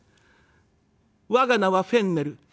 「我が名はフェンネル。